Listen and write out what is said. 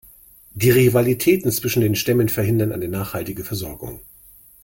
Die Rivalitäten zwischen den Stämmen verhindern eine nachhaltige Versorgung.